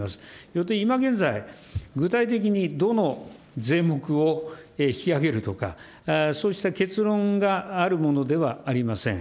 よって今現在、具体的にどの税目を引き上げるとか、そうした結論があるものではありません。